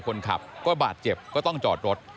คนขับก็บาดเจ็บก็ต้องจอดรถ